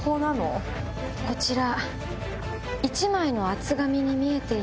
こちら。